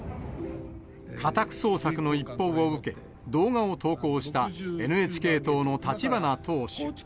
家宅捜索の一報を受け、動画を投稿したＮＨＫ党の立花党首。